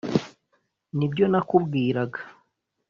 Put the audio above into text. Ni byo nakubwiraga